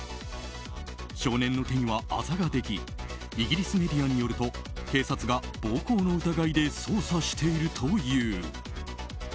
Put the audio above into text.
少年の手にはあざができイギリスメディアによると警察が暴行の疑いで捜査しているという。